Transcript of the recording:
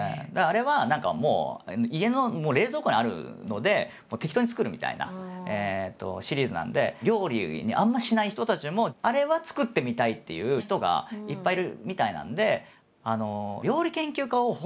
あれは何かもう家の冷蔵庫にあるので適当に作るみたいなシリーズなんで料理あんましない人たちもあれは作ってみたいっていう人がいっぱいいるみたいなんで。